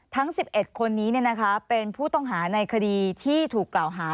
ทั้ง๑๑คนนี้เป็นผู้ต้องหาในคดีที่ถูกกล่าวหา